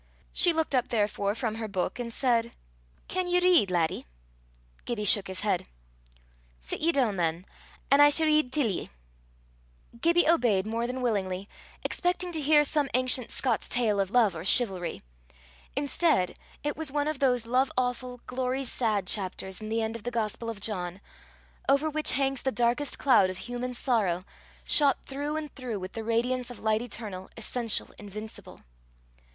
She looked up therefore from her book, and said "Can ye read, laddie?" Gibbie shook his head. "Sit ye doon than, an' I s' read till ye." Gibbie obeyed more than willingly, expecting to hear some ancient Scots tale of love or chivalry. Instead, it was one of those love awful, glory sad chapters in the end of the Gospel of John, over which hangs the darkest cloud of human sorrow, shot through and through with the radiance of light eternal, essential, invincible.